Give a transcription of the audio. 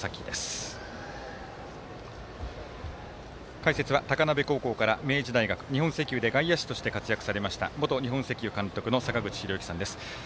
解説は高鍋高校から明治大学、日本石油で外野手として活躍されました元日本石油監督の坂口裕之さんです。